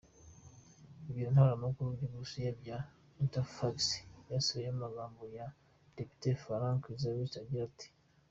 Ibiro ntaramakuru by'Uburusiya bya Interfax byasubiyemo amagambo ya Depite Franz Klintsevich agira ati:.